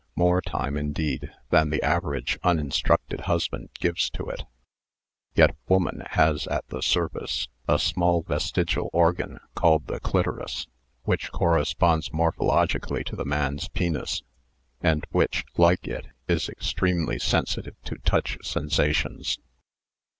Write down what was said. More time, indeed, than the average, uninstructed husband gives to it. Yet woman has at the surface a small vestigial organ called the clitoris, which corresponds morphologically to the man's penis, and which, like it, is extremely sensitive to touch sensations.